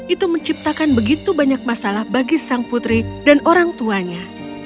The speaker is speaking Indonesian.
itu menciptakan begitu banyak masalah bagi sang putri dan orang tuanya